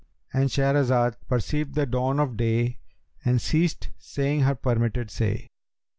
"—And Shahrazad perceived the dawn of day and ceased saying her permitted say.